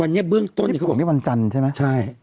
วันนี้เบื้องต้นวันจันทร์ใช่ไหมใช่